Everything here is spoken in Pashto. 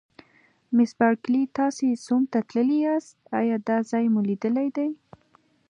مس بارکلي: تاسي سوم ته تللي یاست، ایا دا ځای مو لیدلی دی؟